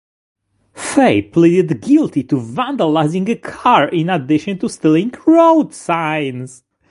Fay pleaded guilty to vandalizing a car in addition to stealing road signs.